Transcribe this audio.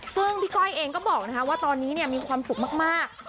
ซึ่งพี่ก้อยเองก็บอกว่าตอนนี้มีความสุขมาก